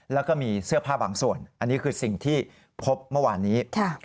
แล้วก็มีเสื้อผ้าบางส่วนอันนี้คือสิ่งที่พบเมื่อวานนี้